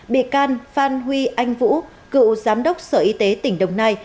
bị can phan huy anh vũ cựu giám đốc sở y tế tỉnh đồng nai